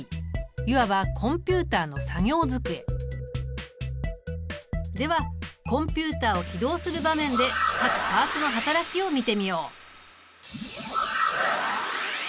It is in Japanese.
いわばコンピュータの作業机。ではコンピュータを起動する場面で各パーツの働きを見てみよう。